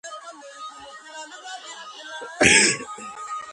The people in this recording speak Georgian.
ეს ქალაქი ასევე დიდ როლს ასრულებდა სხვა ომებშიც.